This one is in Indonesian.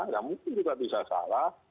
ya mungkin juga bisa salah